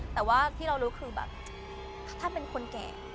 แต่ว่าที่เรารู้คือแบบถ้าเป็นคนแก่